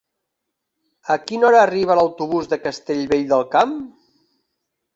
A quina hora arriba l'autobús de Castellvell del Camp?